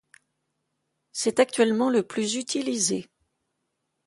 C'est actuellement le plus utilisé.